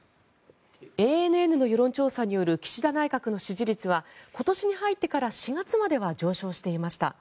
ＡＮＮの世論調査による岸田内閣の支持率は今年に入ってから４月までは上昇していました。